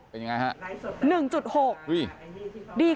เป็นยังไงฮะ